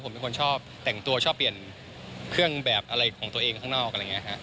ผมเป็นคนชอบแต่งตัวชอบเปลี่ยนเครื่องแบบอะไรของตัวเองข้างนอกอะไรอย่างนี้ครับ